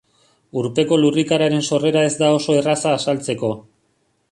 Urpeko lurrikararen sorrera ez da oso erraza azaltzeko.